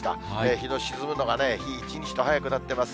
日の沈むのが、日一日と早くなってます。